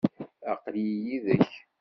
aql-i yid-k.